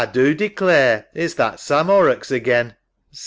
A do declare it's that Sam Horrocks again.